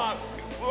うわ！